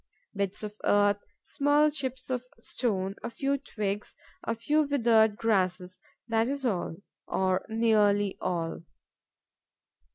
Bits of earth, small chips of stone, a few twigs, a few withered grasses: that is all, or nearly all.